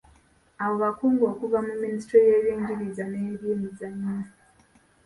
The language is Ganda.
Abo bakungu okuva mu minisitule y'ebyenjigiriza n'ebyemizannyo.